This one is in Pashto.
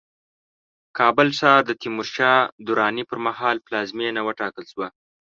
کابل ښار د تیمورشاه دراني پرمهال پلازمينه وټاکل شوه